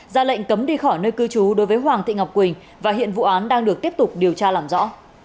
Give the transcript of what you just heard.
ra lệnh cấm đi khỏi nơi cư trú đối với hoàng thị ngọc quỳnh và hiện vụ án đang được tiếp tục điều tra làm rõ